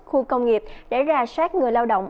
khu công nghiệp để ra sát người lao động